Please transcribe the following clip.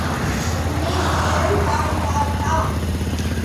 வந்தே ஒருவரம் தா தா தா.